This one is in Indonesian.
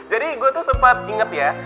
gue tuh sempat inget ya